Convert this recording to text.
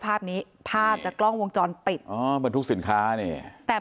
ภาพนี้ภาพจากกล้องวงจรปิดอ๋อบรรทุกสินค้านี่แต่